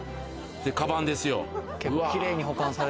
かばんですよ。